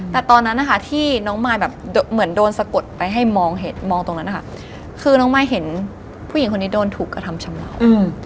แต่ตอนนั้นนะคะที่น้องมายแบบเหมือนโดนสะกดไปให้มองเห็นมองตรงนั้นนะคะคือน้องมายเห็นผู้หญิงคนนี้โดนถูกกระทำชำเลา